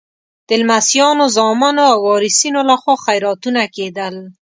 د لمسیانو، زامنو او وارثینو لخوا خیراتونه کېدل.